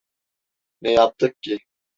Ne yaptık ki?